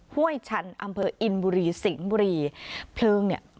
ห้วยชันอำเภออินบุรีสิงห์บุรีเพลิงเนี่ย